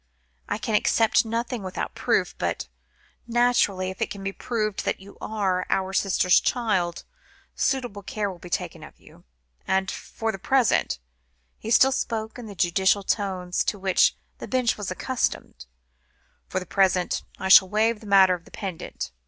I can accept nothing without proof, but, naturally, if it can be proved that you are our sister's child, suitable care will be taken of you. And for the present," he still spoke in the judicial tones, to which the Bench was accustomed, "for the present I shall waive the matter of the pendant.